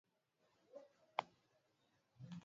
ya saa kumi na mbili jioni afrika mashariki